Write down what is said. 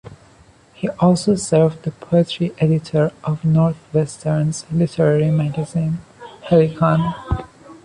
He also served as the poetry editor of Northwestern's literary magazine, Helicon.